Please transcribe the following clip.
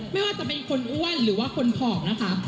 ไม่ว่าจะเป็นคนอ้วนหรือว่าคนผอกนะคะ